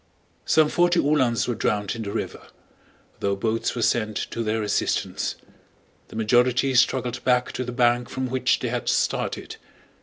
Some forty Uhlans were drowned in the river, though boats were sent to their assistance. The majority struggled back to the bank from which they had started.